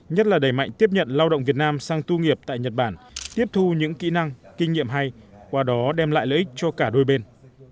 nhất là đẩy mạnh tiếp nhận lao động việt nam sang tu nghiệp tại nhật bản tiếp thu những kỹ năng kinh nghiệm hay qua đó đem lại lợi ích cho cả đôi bên